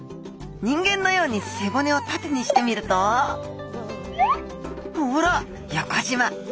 人間のように背骨を縦にしてみるとほら横じま。